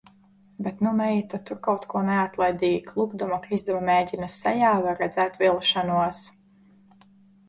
Bet nu meita tur kaut ko neatlaidīgi, klupdama krizdama, mēģina, sejā var redzēt vilšanos.